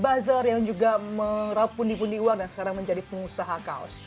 buzzer yang juga merapundi pundi uang dan sekarang menjadi pengusaha kaos